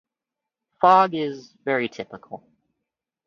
Fog is very typical.